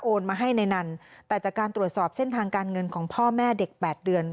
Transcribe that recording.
มาให้ในนั้นแต่จากการตรวจสอบเส้นทางการเงินของพ่อแม่เด็กแปดเดือน